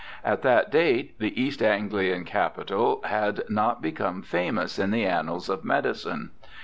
At that date the East Anglian capital had not become famous in the annals of medicine.